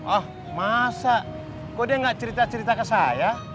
ah masa kok dia nggak cerita cerita ke saya